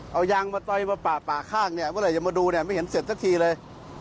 เอายางมาต่อยปะปะข้างเวลาจะมาดูไม่เห็นเสร็จเมื่อกี้เลย